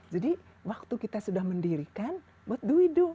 jadi waktu kita sudah mendirikan what do we do